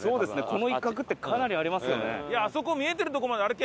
この一角ってかなりありますけどね。